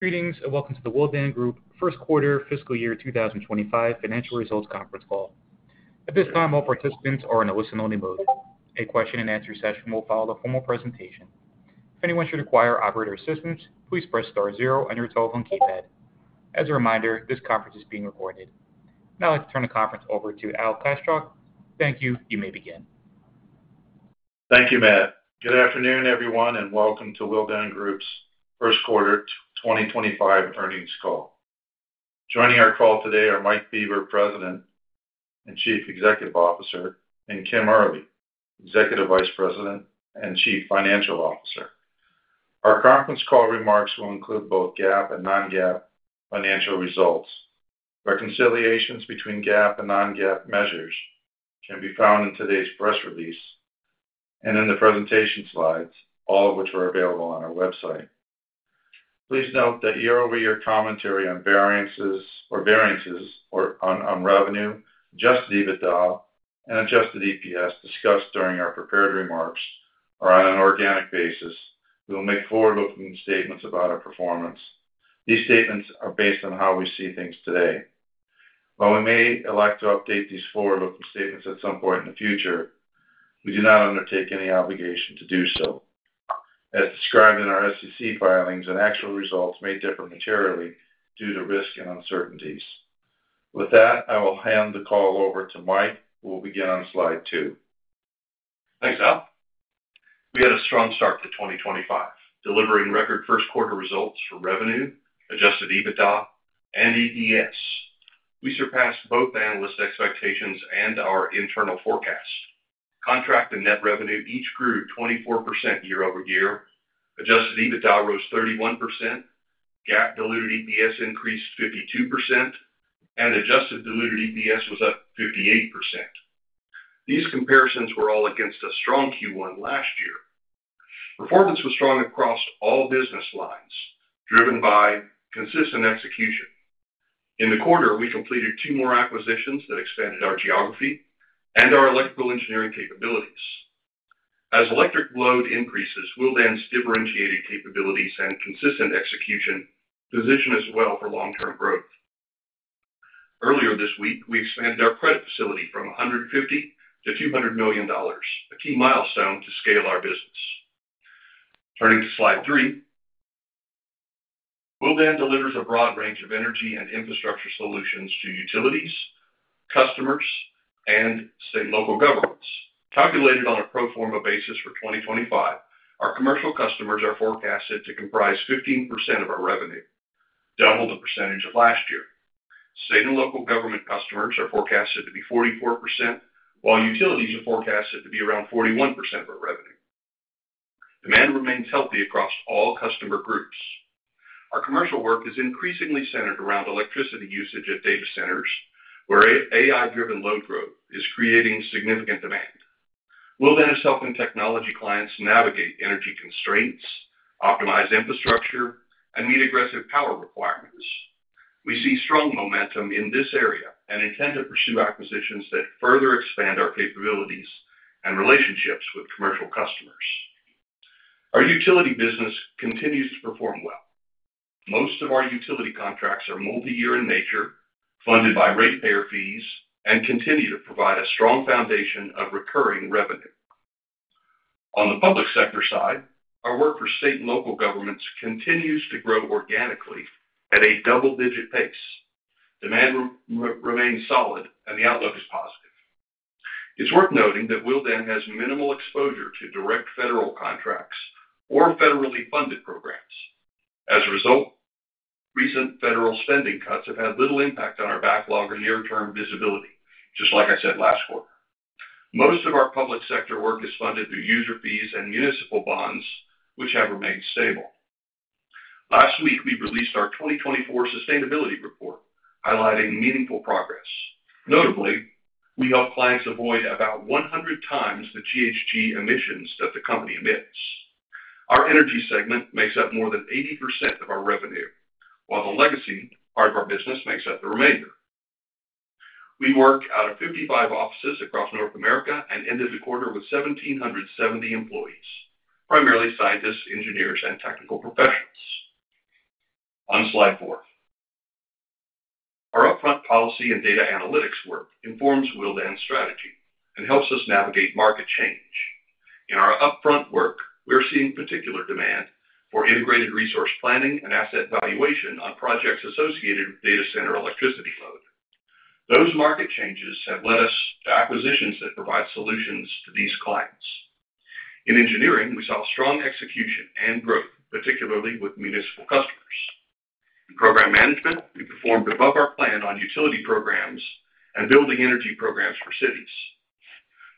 Greetings and welcome to the Willdan Group First Quarter Fiscal Year 2025 Financial Results Conference Call. At this time, all participants are in a listen-only mode. A question-and-answer session will follow the formal presentation. If anyone should require operator assistance, please press star zero on your telephone keypad. As a reminder, this conference is being recorded. Now, I'd like to turn the conference over to Al Kaschalk. Thank you. You may begin. Thank you, Matt. Good afternoon, everyone, and welcome to Willdan Group's First Quarter 2025 Earnings Call. Joining our call today are Mike Bieber, President and Chief Executive Officer, and Kim Early, Executive Vice President and Chief Financial Officer. Our conference call remarks will include both GAAP and non-GAAP financial results. Reconciliations between GAAP and non-GAAP measures can be found in today's press release and in the presentation slides, all of which are available on our website. Please note that year-over-year commentary on variances or on revenue, adjusted EBITDA and adjusted EPS discussed during our prepared remarks are on an organic basis. We will make forward-looking statements about our performance. These statements are based on how we see things today. While we may elect to update these forward-looking statements at some point in the future, we do not undertake any obligation to do so. As described in our SEC filings, the actual results may differ materially due to risk and uncertainties. With that, I will hand the call over to Mike, who will begin on slide two. Thanks, Al. We had a strong start to 2025, delivering record first-quarter results for revenue, adjusted EBITDA, and EPS. We surpassed both analysts' expectations and our internal forecast. Contract and net revenue each grew 24% year-over-year. Adjusted EBITDA rose 31%. GAAP-diluted EPS increased 52%, and adjusted diluted EPS was up 58%. These comparisons were all against a strong Q1 last year. Performance was strong across all business lines, driven by consistent execution. In the quarter, we completed two more acquisitions that expanded our geography and our electrical engineering capabilities. As electric load increases, Willdan's differentiated capabilities and consistent execution position us well for long-term growth. Earlier this week, we expanded our credit facility from $150 million-$200 million, a key milestone to scale our business. Turning to slide three, Willdan delivers a broad range of energy and infrastructure solutions to utilities, customers, and state and local governments. Calculated on a pro forma basis for 2025, our commercial customers are forecasted to comprise 15% of our revenue, double the percentage of last year. State and local government customers are forecasted to be 44%, while utilities are forecasted to be around 41% of our revenue. Demand remains healthy across all customer groups. Our commercial work is increasingly centered around electricity usage at data centers, where AI-driven load growth is creating significant demand. Willdan is helping technology clients navigate energy constraints, optimize infrastructure, and meet aggressive power requirements. We see strong momentum in this area and intend to pursue acquisitions that further expand our capabilities and relationships with commercial customers. Our utility business continues to perform well. Most of our utility contracts are multi-year in nature, funded by ratepayer fees, and continue to provide a strong foundation of recurring revenue. On the public sector side, our work for state and local governments continues to grow organically at a double-digit pace. Demand remains solid, and the outlook is positive. It's worth noting that Willdan has minimal exposure to direct federal contracts or federally funded programs. As a result, recent federal spending cuts have had little impact on our backlog or near-term visibility, just like I said last quarter. Most of our public sector work is funded through user fees and municipal bonds, which have remained stable. Last week, we released our 2024 sustainability report, highlighting meaningful progress. Notably, we help clients avoid about 100 x the GHG emissions that the company emits. Our energy segment makes up more than 80% of our revenue, while the legacy part of our business makes up the remainder. We work out of 55 offices across North America and ended the quarter with 1,770 employees, primarily scientists, engineers, and technical professionals. On slide four, our upfront policy and data analytics work informs Willdan's strategy and helps us navigate market change. In our upfront work, we're seeing particular demand for integrated resource planning and asset valuation on projects associated with data center electricity load. Those market changes have led us to acquisitions that provide solutions to these clients. In engineering, we saw strong execution and growth, particularly with municipal customers. In program management, we performed above our plan on utility programs and building energy programs for cities.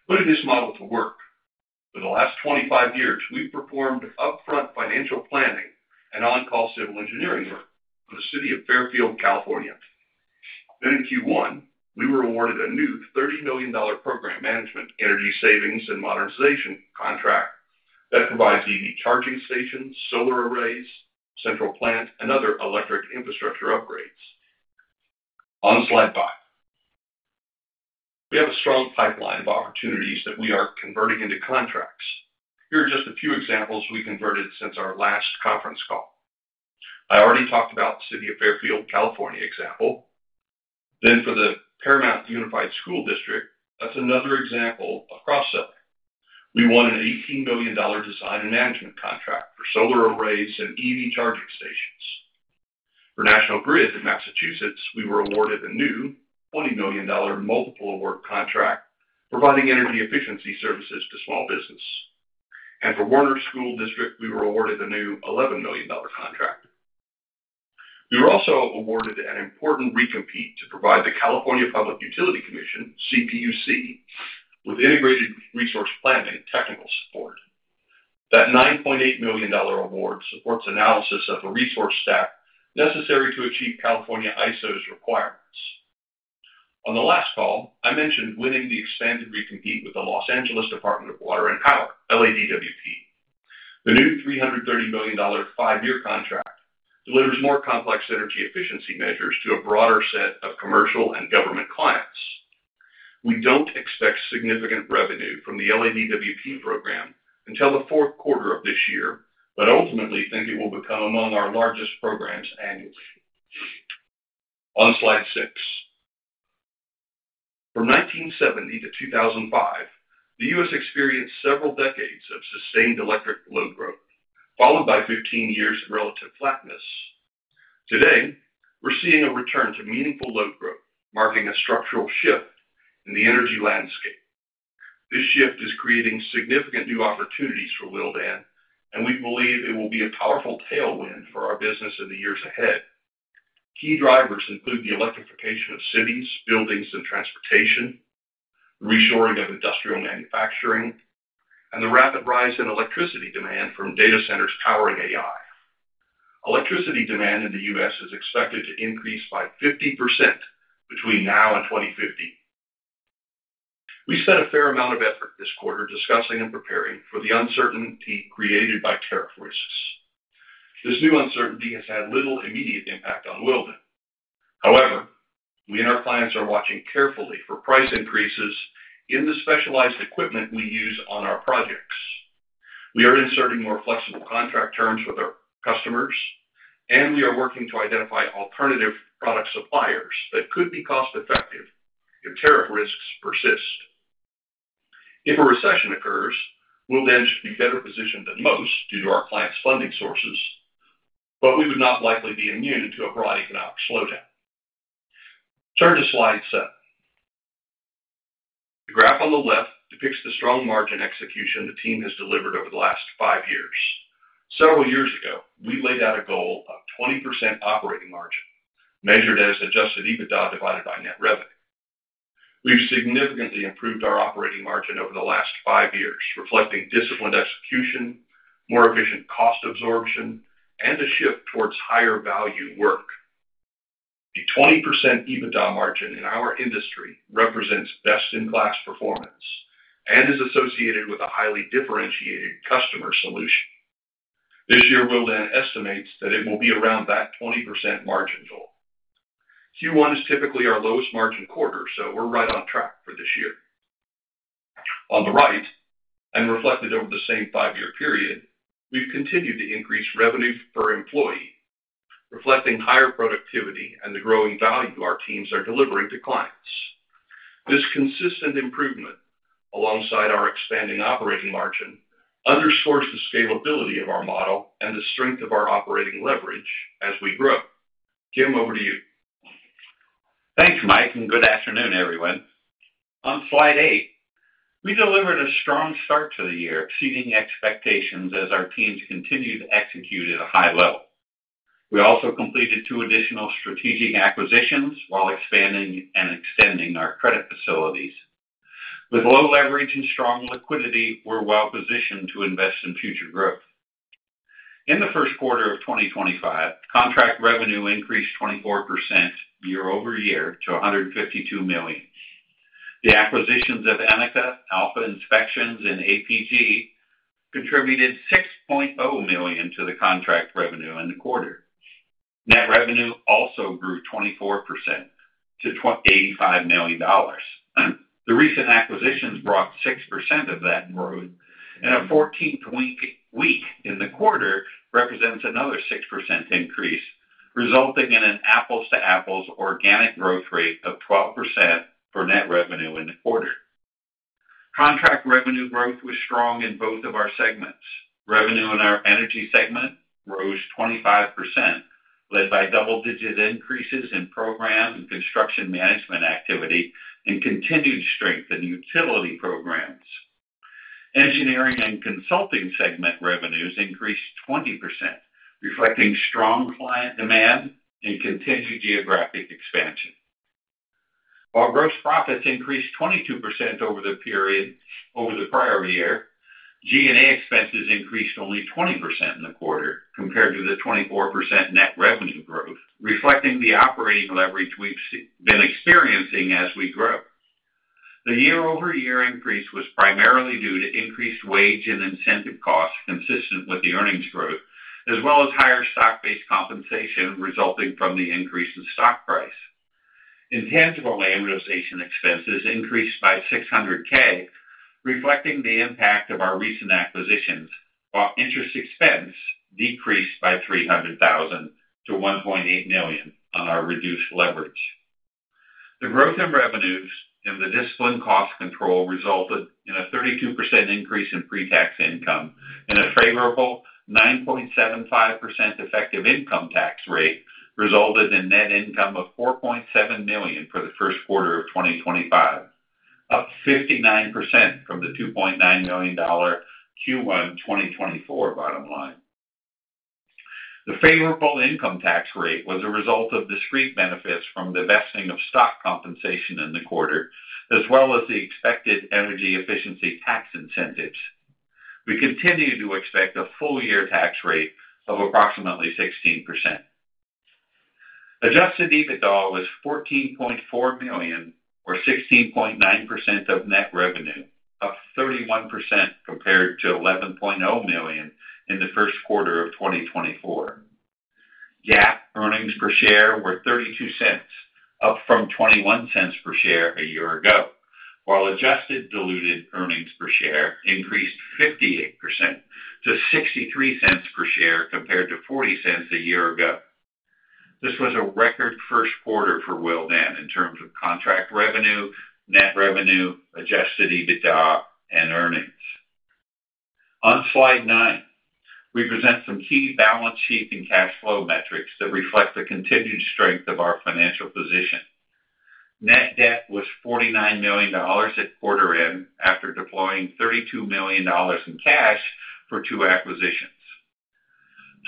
Putting this model to work, for the last 25 years, we've performed upfront financial planning and on-call civil engineering work for the city of Fairfield, California. In Q1, we were awarded a new $30 million program management energy savings and modernization contract that provides EV charging stations, solar arrays, central plant, and other electric infrastructure upgrades. On slide five, we have a strong pipeline of opportunities that we are converting into contracts. Here are just a few examples we converted since our last conference call. I already talked about the city of Fairfield, California, example. For the Paramount Unified School District, that's another example of cross-selling. We won an $18 million design and management contract for solar arrays and EV charging stations. For National Grid in Massachusetts, we were awarded a new $20 million multiple award contract providing energy efficiency services to small business. For Warner School District, we were awarded a new $11 million contract. We were also awarded an important recompete to provide the California Public Utilities Commission, CPUC, with integrated resource planning and technical support. That $9.8 million award supports analysis of the resource stack necessary to achieve California ISO's requirements. On the last call, I mentioned winning the expanded recompete with the Los Angeles Department of Water and Power, LADWP. The new $330 million five-year contract delivers more complex energy efficiency measures to a broader set of commercial and government clients. We don't expect significant revenue from the LADWP program until the fourth quarter of this year, but ultimately think it will become among our largest programs annually. On slide six, from 1970-2005, the U.S. experienced several decades of sustained electric load growth, followed by 15 years of relative flatness. Today, we're seeing a return to meaningful load growth, marking a structural shift in the energy landscape. This shift is creating significant new opportunities for Willdan, and we believe it will be a powerful tailwind for our business in the years ahead. Key drivers include the electrification of cities, buildings, and transportation, the reshoring of industrial manufacturing, and the rapid rise in electricity demand from data centers powering AI. Electricity demand in the U.S. is expected to increase by 50% between now and 2050. We spent a fair amount of effort this quarter discussing and preparing for the uncertainty created by tariff risks. This new uncertainty has had little immediate impact on Willdan. However, we and our clients are watching carefully for price increases in the specialized equipment we use on our projects. We are inserting more flexible contract terms with our customers, and we are working to identify alternative product suppliers that could be cost-effective if tariff risks persist. If a recession occurs, Willdan should be better positioned than most due to our clients' funding sources, but we would not likely be immune to a broad economic slowdown. Turn to slide seven. The graph on the left depicts the strong margin execution the team has delivered over the last five years. Several years ago, we laid out a goal of 20% operating margin, measured as adjusted EBITDA divided by net revenue. We've significantly improved our operating margin over the last five years, reflecting disciplined execution, more efficient cost absorption, and a shift towards higher value work. The 20% EBITDA margin in our industry represents best-in-class performance and is associated with a highly differentiated customer solution. This year, Willdan estimates that it will be around that 20% margin goal. Q1 is typically our lowest margin quarter, so we're right on track for this year. On the right, and reflected over the same five-year period, we've continued to increase revenue per employee, reflecting higher productivity and the growing value our teams are delivering to clients. This consistent improvement, alongside our expanding operating margin, underscores the scalability of our model and the strength of our operating leverage as we grow. Kim, over to you. Thanks, Mike, and good afternoon, everyone. On slide eight, we delivered a strong start to the year, exceeding expectations as our teams continued to execute at a high level. We also completed two additional strategic acquisitions while expanding and extending our credit facilities. With low leverage and strong liquidity, we're well positioned to invest in future growth. In the first quarter of 2025, contract revenue increased 24% year-over-year to $152 million. The acquisitions of Anika, Alpha Inspections, and APG contributed $6.0 million to the contract revenue in the quarter. Net revenue also grew 24% to $85 million. The recent acquisitions brought 6% of that growth, and a 14th week in the quarter represents another 6% increase, resulting in an apples-to-apples organic growth rate of 12% for net revenue in the quarter. Contract revenue growth was strong in both of our segments. Revenue in our energy segment rose 25%, led by double-digit increases in program and construction management activity and continued strength in utility programs. Engineering and consulting segment revenues increased 20%, reflecting strong client demand and continued geographic expansion. While gross profits increased 22% over the period over the prior year, G&A expenses increased only 20% in the quarter compared to the 24% net revenue growth, reflecting the operating leverage we have been experiencing as we grow. The year-over-year increase was primarily due to increased wage and incentive costs consistent with the earnings growth, as well as higher stock-based compensation resulting from the increase in stock price. Intangible amortization expenses increased by $600,000, reflecting the impact of our recent acquisitions, while interest expense decreased by $300,000 to $1.8 million on our reduced leverage. The growth in revenues and the discipline cost control resulted in a 32% increase in pre-tax income, and a favorable 9.75% effective income tax rate resulted in net income of $4.7 million for the first quarter of 2025, up 59% from the $2.9 million Q1 2024 bottom line. The favorable income tax rate was a result of discrete benefits from the vesting of stock compensation in the quarter, as well as the expected energy efficiency tax incentives. We continue to expect a full-year tax rate of approximately 16%. Adjusted EBITDA was $14.4 million, or 16.9% of net revenue, up 31% compared to $11.0 million in the first quarter of 2024. GAAP earnings per share were $0.32, up from $0.21 per share a year ago, while adjusted diluted earnings per share increased 58% to $0.63 per share compared to $0.40 a year ago. This was a record first quarter for Willdan in terms of contract revenue, net revenue, adjusted EBITDA, and earnings. On slide nine, we present some key balance sheet and cash flow metrics that reflect the continued strength of our financial position. Net debt was $49 million at quarter end after deploying $32 million in cash for two acquisitions.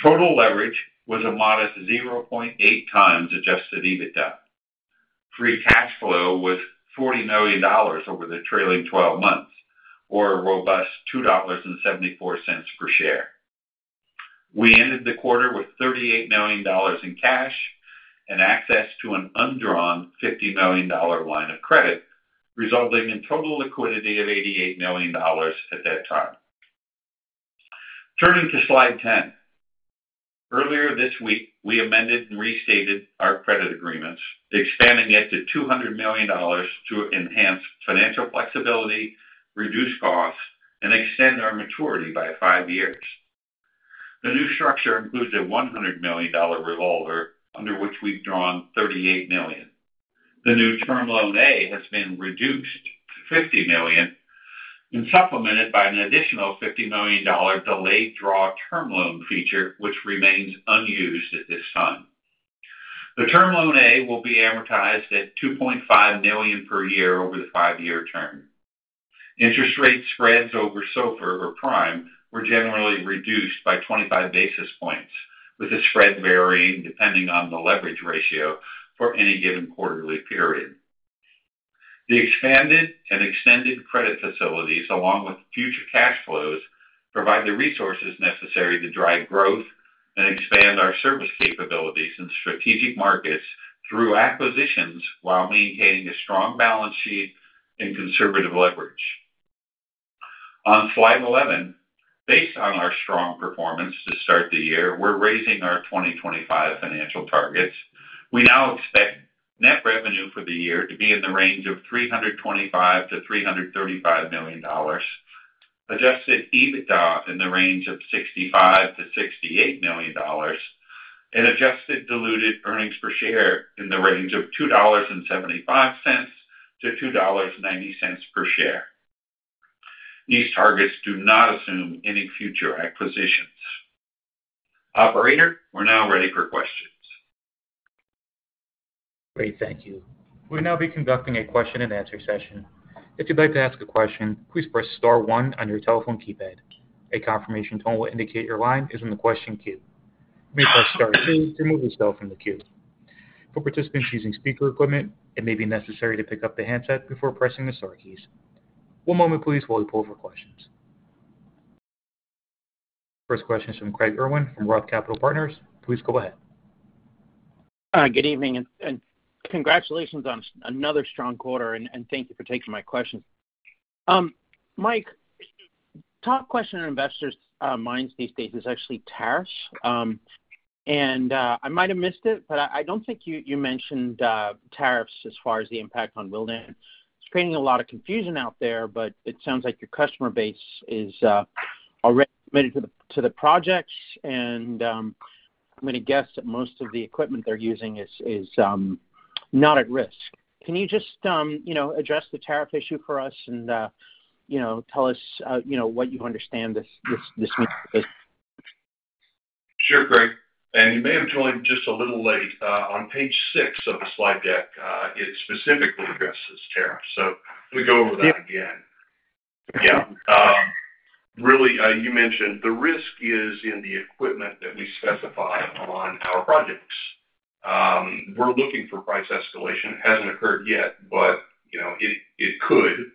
Total leverage was a modest 0.8 x adjusted EBITDA. Free cash flow was $40 million over the trailing 12 months, or a robust $2.74 per share. We ended the quarter with $38 million in cash and access to an undrawn $50 million line of credit, resulting in total liquidity of $88 million at that time. Turning to slide 10, earlier this week, we amended and restated our credit agreements, expanding it to $200 million to enhance financial flexibility, reduce costs, and extend our maturity by five years. The new structure includes a $100 million revolver, under which we've drawn $38 million. The new term loan A has been reduced to $50 million and supplemented by an additional $50 million delayed draw term loan feature, which remains unused at this time. The term loan A will be amortized at $2.5 million per year over the five-year term. Interest rate spreads over SOFR or Prime were generally reduced by 25 basis points, with the spread varying depending on the leverage ratio for any given quarterly period. The expanded and extended credit facilities, along with future cash flows, provide the resources necessary to drive growth and expand our service capabilities in strategic markets through acquisitions while maintaining a strong balance sheet and conservative leverage. On slide 11, based on our strong performance to start the year, we're raising our 2025 financial targets. We now expect net revenue for the year to be in the range of $325-$335 million, adjusted EBITDA in the range of $65-$68 million, and adjusted diluted earnings per share in the range of $2.75-$2.90 per share. These targets do not assume any future acquisitions. Operator, we're now ready for questions. Great, thank you. We'll now be conducting a question-and-answer session. If you'd like to ask a question, please press star one on your telephone keypad. A confirmation tone will indicate your line is in the question queue. Please press star two to move yourself from the queue. For participants using speaker equipment, it may be necessary to pick up the handset before pressing the star keys. One moment, please, while we pull for questions. First question is from Craig Irwin from Roth Capital Partners. Please go ahead. Good evening and congratulations on another strong quarter, and thank you for taking my questions. Mike, the top question in investors' minds these days is actually tariffs. I might have missed it, but I do not think you mentioned tariffs as far as the impact on Willdan. It is creating a lot of confusion out there, but it sounds like your customer base is already committed to the projects, and I am going to guess that most of the equipment they are using is not at risk. Can you just address the tariff issue for us and tell us what you understand this means? Sure, Craig. You may have joined just a little late. On page six of the slide deck, it specifically addresses tariffs. We will go over that again. Yeah. Really, you mentioned the risk is in the equipment that we specify on our projects. We are looking for price escalation. It has not occurred yet, but it could.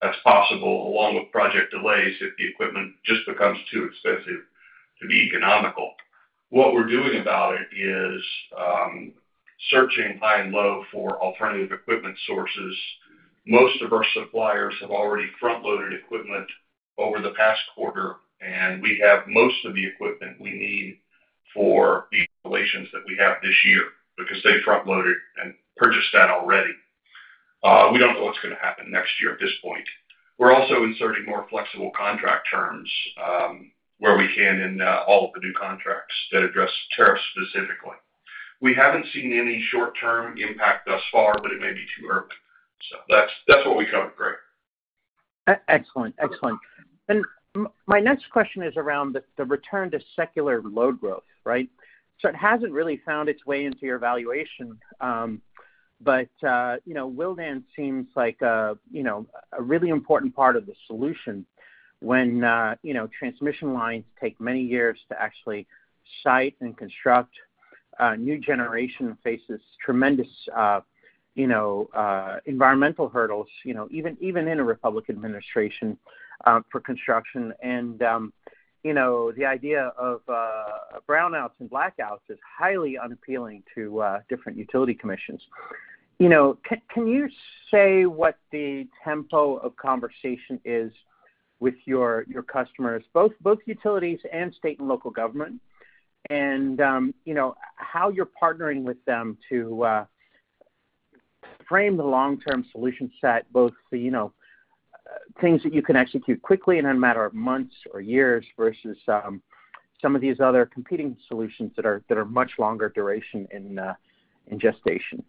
That is possible, along with project delays, if the equipment just becomes too expensive to be economical. What we are doing about it is searching high and low for alternative equipment sources. Most of our suppliers have already front-loaded equipment over the past quarter, and we have most of the equipment we need for the installations that we have this year because they front-loaded and purchased that already. We do not know what is going to happen next year at this point. We're also inserting more flexible contract terms where we can in all of the new contracts that address tariffs specifically. We haven't seen any short-term impact thus far, but it may be too early. That's what we covered, Craig. Excellent. Excellent. My next question is around the return to secular load growth, right? It has not really found its way into your evaluation, but Willdan seems like a really important part of the solution when transmission lines take many years to actually site and construct. New generation faces tremendous environmental hurdles, even in a Republican administration, for construction. The idea of brownouts and blackouts is highly unappealing to different utility commissions. Can you say what the tempo of conversation is with your customers, both utilities and state and local government, and how you are partnering with them to frame the long-term solution set, both things that you can execute quickly in a matter of months or years versus some of these other competing solutions that are much longer duration in gestation?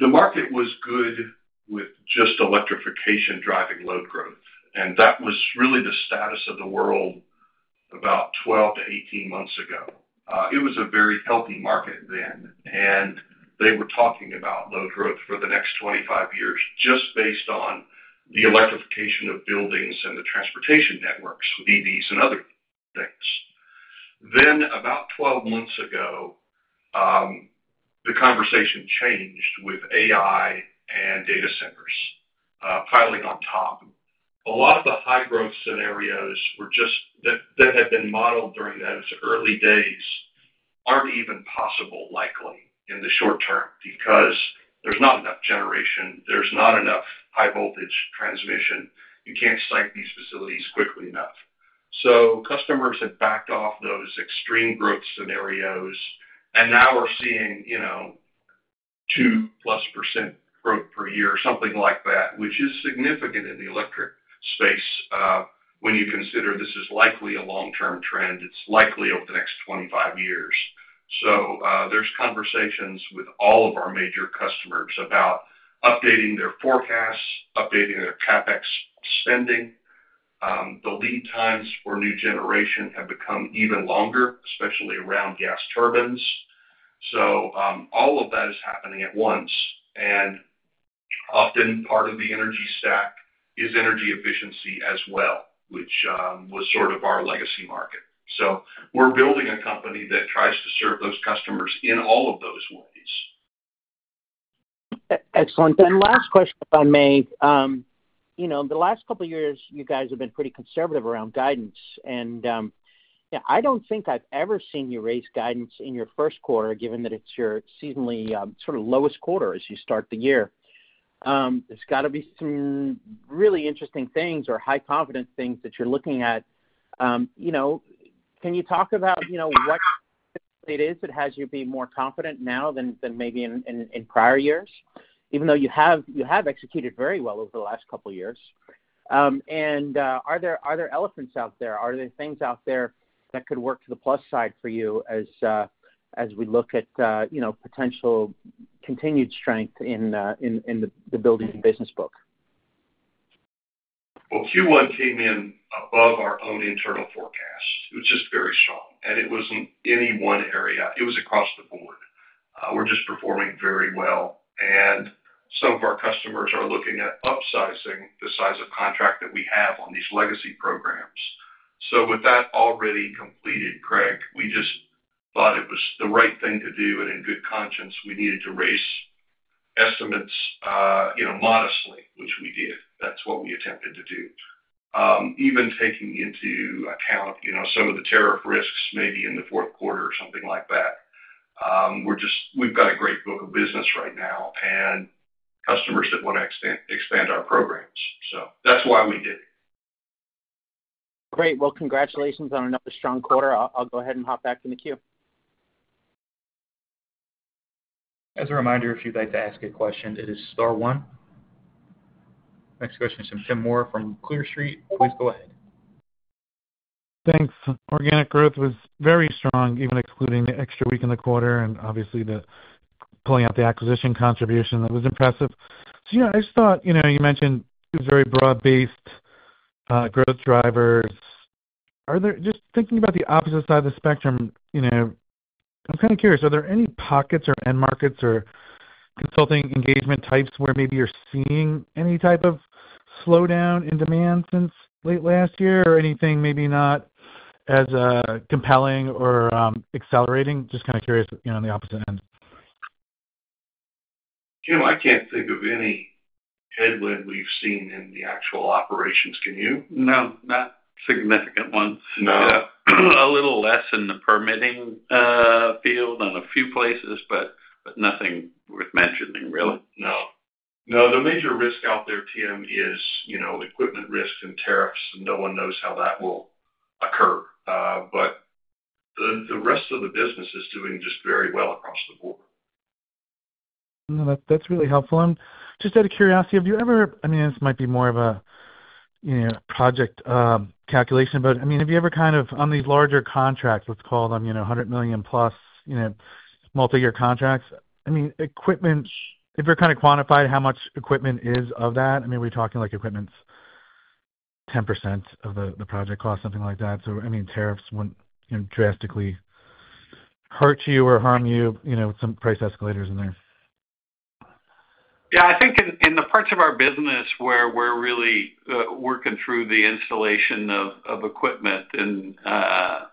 The market was good with just electrification driving load growth, and that was really the status of the world about 12-18 months ago. It was a very healthy market then, and they were talking about load growth for the next 25 years just based on the electrification of buildings and the transportation networks, EVs, and other things. About 12 months ago, the conversation changed with AI and data centers piling on top. A lot of the high-growth scenarios that had been modeled during those early days are not even possible, likely, in the short term because there is not enough generation. There is not enough high-voltage transmission. You cannot site these facilities quickly enough. Customers had backed off those extreme growth scenarios, and now we're seeing 2% plus growth per year, something like that, which is significant in the electric space when you consider this is likely a long-term trend. It's likely over the next 25 years. There are conversations with all of our major customers about updating their forecasts, updating their CapEx spending. The lead times for new generation have become even longer, especially around gas turbines. All of that is happening at once, and often part of the energy stack is energy efficiency as well, which was sort of our legacy market. We're building a company that tries to serve those customers in all of those ways. Excellent. Last question, if I may. The last couple of years, you guys have been pretty conservative around guidance. I do not think I have ever seen you raise guidance in your first quarter, given that it is your seasonally sort of lowest quarter as you start the year. There has got to be some really interesting things or high-confidence things that you are looking at. Can you talk about what it is that has you be more confident now than maybe in prior years, even though you have executed very well over the last couple of years? Are there elephants out there? Are there things out there that could work to the plus side for you as we look at potential continued strength in the building business book? Q1 came in above our own internal forecast. It was just very strong, and it was not any one area. It was across the board. We are just performing very well, and some of our customers are looking at upsizing the size of contract that we have on these legacy programs. With that already completed, Craig, we just thought it was the right thing to do, and in good conscience, we needed to raise estimates modestly, which we did. That is what we attempted to do, even taking into account some of the tariff risks maybe in the fourth quarter or something like that. We have got a great book of business right now and customers that want to expand our programs. That is why we did it. Great. Congratulations on another strong quarter. I'll go ahead and hop back in the queue. As a reminder, if you'd like to ask a question, it is star one. Next question is from Tim Moore from Clear Street. Please go ahead. Thanks. Organic growth was very strong, even excluding the extra week in the quarter and obviously pulling out the acquisition contribution. It was impressive. I just thought you mentioned very broad-based growth drivers. Just thinking about the opposite side of the spectrum, I'm kind of curious, are there any pockets or end markets or consulting engagement types where maybe you're seeing any type of slowdown in demand since late last year or anything maybe not as compelling or accelerating? Just kind of curious on the opposite end. Tim, I can't think of any headwind we've seen in the actual operations. Can you? No, not significant ones. No. A little less in the permitting field on a few places, but nothing worth mentioning, really. No. No, the major risk out there, Tim, is equipment risk and tariffs, and no one knows how that will occur. The rest of the business is doing just very well across the board. That's really helpful. Just out of curiosity, have you ever—I mean, this might be more of a project calculation, but have you ever kind of on these larger contracts, let's call them $100 million-plus multi-year contracts? I mean, equipment, if you've kind of quantified how much equipment is of that, I mean, we're talking like equipment's 10% of the project cost, something like that. I mean, tariffs wouldn't drastically hurt you or harm you with some price escalators in there. Yeah. I think in the parts of our business where we're really working through the installation of equipment, I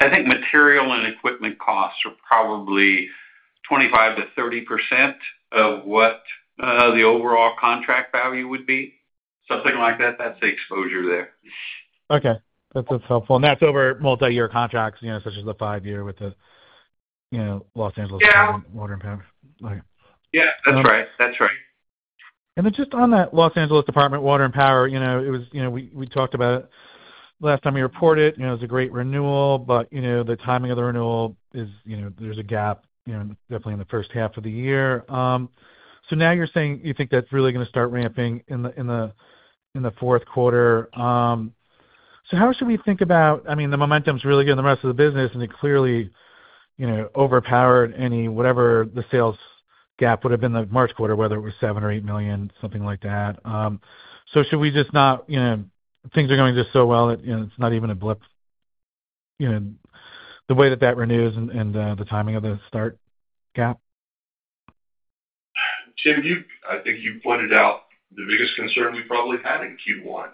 think material and equipment costs are probably 25%-30% of what the overall contract value would be. Something like that. That's the exposure there. Okay. That's helpful. That's over multi-year contracts such as the five-year with the Los Angeles Department of Water and Power. Yeah. That's right. That's right. On that Los Angeles Department of Water and Power, we talked about it last time we reported. It was a great renewal, but the timing of the renewal, there's a gap definitely in the first half of the year. Now you're saying you think that's really going to start ramping in the fourth quarter. How should we think about—I mean, the momentum's really good in the rest of the business, and it clearly overpowered whatever the sales gap would have been the March quarter, whether it was $7 million or $8 million, something like that. Should we just not—things are going just so well that it's not even a blip the way that that renews and the timing of the start gap? Tim, I think you pointed out the biggest concern we probably had in Q1.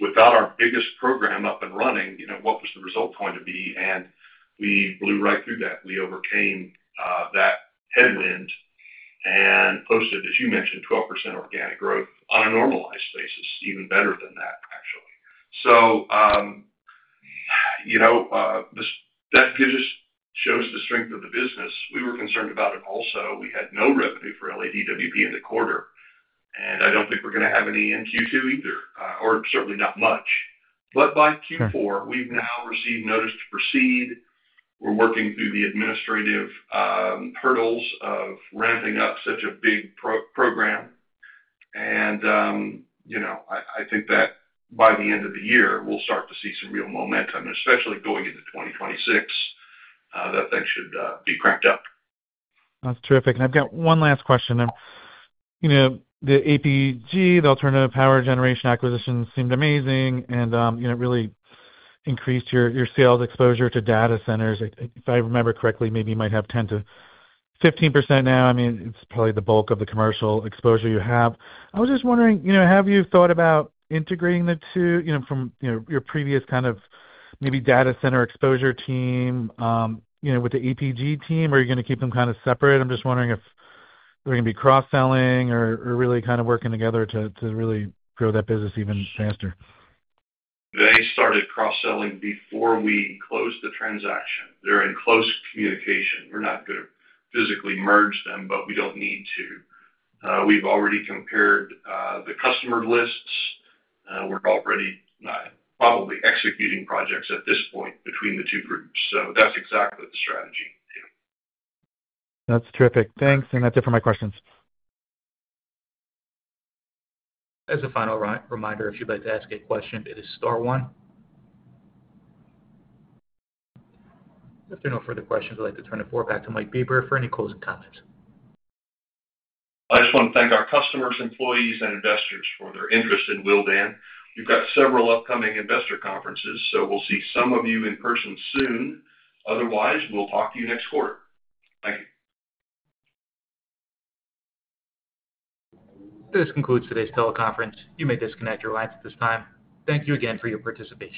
Without our biggest program up and running, what was the result going to be? We blew right through that. We overcame that headwind and posted, as you mentioned, 12% organic growth on a normalized basis, even better than that, actually. That shows the strength of the business. We were concerned about it also. We had no revenue for LADWP in the quarter, and I do not think we are going to have any in Q2 either, or certainly not much. By Q4, we have now received notice to proceed. We are working through the administrative hurdles of ramping up such a big program. I think that by the end of the year, we will start to see some real momentum, especially going into 2026, that things should be cranked up. That's terrific. I've got one last question. The APG, the Alternative Power Generation acquisition, seemed amazing, and it really increased your sales exposure to data centers. If I remember correctly, maybe you might have 10-15% now. I mean, it's probably the bulk of the commercial exposure you have. I was just wondering, have you thought about integrating the two from your previous kind of maybe data center exposure team with the APG team, or are you going to keep them kind of separate? I'm just wondering if they're going to be cross-selling or really kind of working together to really grow that business even faster. They started cross-selling before we closed the transaction. They're in close communication. We're not going to physically merge them, but we don't need to. We've already compared the customer lists. We're already probably executing projects at this point between the two groups. That is exactly the strategy. That's terrific. Thanks. That's it for my questions. As a final reminder, if you'd like to ask a question, it is star one. If there are no further questions, I'd like to turn it back to Mike Bieber for any closing comments. I just want to thank our customers, employees, and investors for their interest in Willdan. We've got several upcoming investor conferences, so we'll see some of you in person soon. Otherwise, we'll talk to you next quarter. Thank you. This concludes today's teleconference. You may disconnect your lines at this time. Thank you again for your participation.